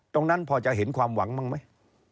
ตรงนั้นพอจะเห็นความหวังบ้างไหม